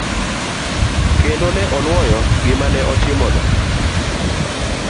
Kendo ne onuoyo gima ne otimono.